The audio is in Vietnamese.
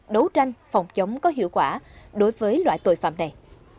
đấu tranh phòng chống có hiệu quả đối với loại tội phạm này